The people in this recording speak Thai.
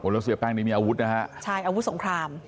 แล้วเสียแป้งนี่มีอาวุธนะฮะใช่อาวุธสงคราม